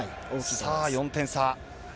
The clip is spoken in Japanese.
さあ、４点差。